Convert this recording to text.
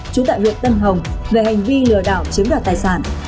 trú tại huyện tân hồng về hành vi lừa đảo chiếm đoạt tài sản